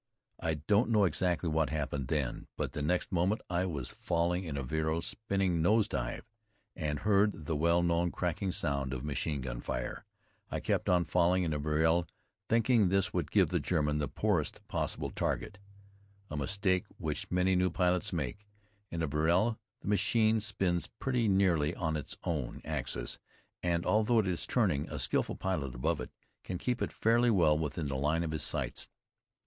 I don't know exactly what happened then, but the next moment I was falling in a vrille (spinning nose dive) and heard the well known crackling sound of machine gun fire. I kept on falling in a vrille, thinking this would give the German the poorest possible target. [Footnote 2: A mistake which many new pilots make. In a vrille, the machine spins pretty nearly on its own axis, and although it is turning, a skillful pilot above it can keep it fairly well within the line of his sights.